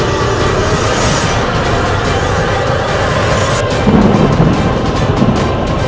dendam dari kubur